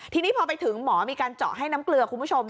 ทีนี้พอไปถึงหมอมีการเจาะให้น้ำเกลือคุณผู้ชม